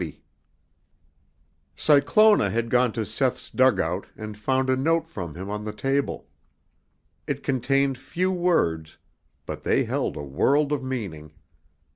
Cyclona had gone to Seth's dugout and found a note from him on the table. It contained few words, but they held a world of meaning.